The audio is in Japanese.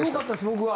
僕は。